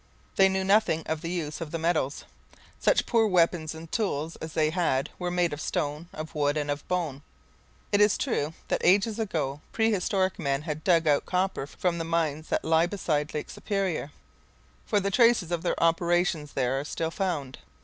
They knew nothing of the use of the metals. Such poor weapons and tools as they had were made of stone, of wood, and of bone. It is true that ages ago prehistoric men had dug out copper from the mines that lie beside Lake Superior, for the traces of their operations there are still found.